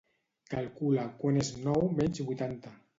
Calcula quant és nou menys vuitanta.